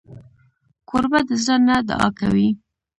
کوربه د زړه نه دعا کوي.